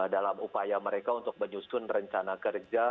dalam upaya mereka untuk menyusun rencana kerja